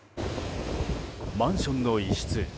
マンションの一室。